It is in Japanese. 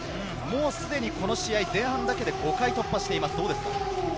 すでにこの試合、前半だけで５回突破しています。